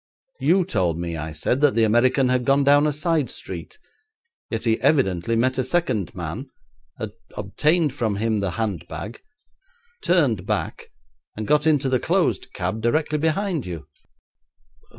'You told me,' I said, 'that the American had gone down a side street. Yet he evidently met a second man, obtained from him the handbag, turned back, and got into the closed cab directly behind you.'